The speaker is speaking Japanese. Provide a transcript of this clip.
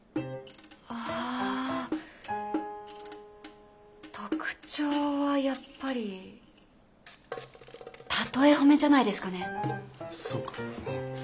ああ特徴はやっぱり「たとえ褒め」じゃないですかね。